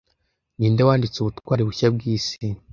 Ninde wanditse ubutwari bushya bw'isi